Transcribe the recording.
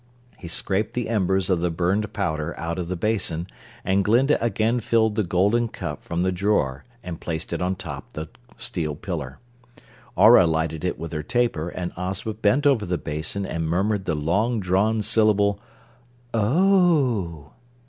He scraped the embers of the burned powder out of the basin and Glinda again filled the golden cup from the drawer and placed it on top the steel pillar. Aurah lighted it with her taper and Ozma bent over the basin and murmured the long drawn syllable: "Oh h h!"